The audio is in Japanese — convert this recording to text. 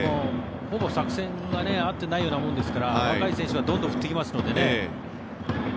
ほぼ作戦があってないようなものですから若い選手はどんどん振ってきますのでね。